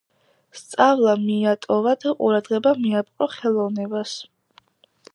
სწავლა მიატოვა და ყურადღება მიაპყრო ხელოვნებას.